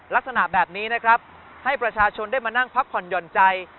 ลักษณะแบบนี้นะครับให้ประชาชนได้มานั่งพักผ่อนหย่อนใจ